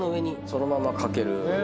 そのまま掛ける。